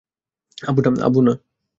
আব্বু, না!